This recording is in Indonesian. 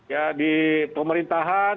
ya di pemerintahan